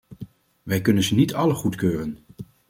Wij kunnen ze niet alle goedkeuren.